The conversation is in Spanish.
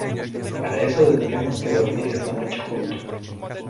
para eso tendremos que dormir esta noche juntos.